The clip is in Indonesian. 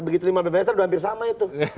begitu lima meter sepuluh meter itu hampir sama itu